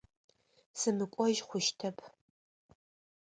Сымыкӏожь хъущтэп.